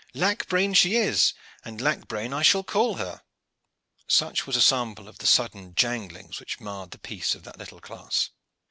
Lack brain she is, and lack brain I shall call her." Such was a sample of the sudden janglings which marred the peace of that little class.